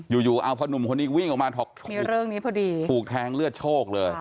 อยู่อยู่เอาพอหนุ่มคนนี้วิ่งออกมามีเรื่องนี้พอดีถูกแทงเลือดโชคเลย